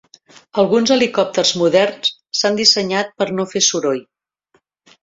Alguns helicòpters moderns s'han dissenyat per no fer soroll.